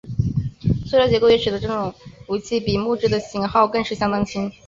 塑料结构也使得这种武器比起木制的型号更是相当轻。